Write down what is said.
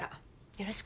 よろしく。